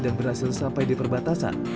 dan berhasil sampai di perbatasan